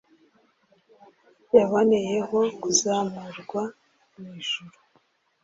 yaboneyeho kuzamurwa mu ijuru